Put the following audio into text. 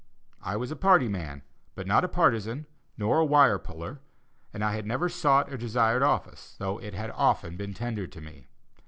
I was a party man, but not a partisan, nor a wire puller, and I had never sought or desired office, though it had often been tendered to me.